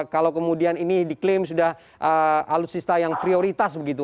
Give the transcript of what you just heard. kalau kemudian ini diklaim sudah alutsista yang prioritas begitu